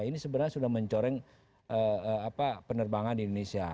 ini sebenarnya sudah mencoreng penerbangan di indonesia